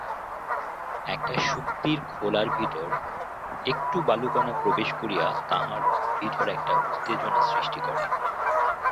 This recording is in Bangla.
একটা শুক্তির খোলার ভিতর একটু বালুকণা প্রবেশ করিয়া তাঁহার ভিতর একটা উত্তেজনা সৃষ্টি করে।